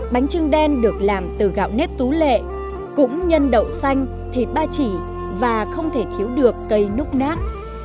bánh trưng đen được làm từ gạo nếp tú lệ cũng nhân đậu xanh thịt ba chỉ và không thể thiếu được cây núc nác